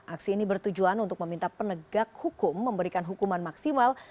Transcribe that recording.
aksi ini bertujuan untuk meminta penegak hukum memberikan hukuman maksimal